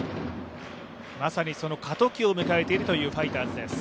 まさに過渡期を迎えているというファイターズです。